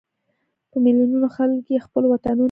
په ملیونونو خلک یې خپلو وطنونو ته وړي.